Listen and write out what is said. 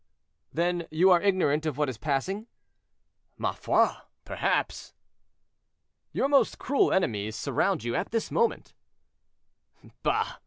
"Then you are ignorant of what is passing?" "Ma foi, perhaps." "Your most cruel enemies surround you at this moment." "Bah!